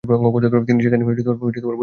তিনি সেখানে বসবাস শুরু করেন।